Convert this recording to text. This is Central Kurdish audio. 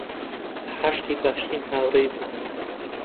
عاشقی باشترین هاوڕێی بوو.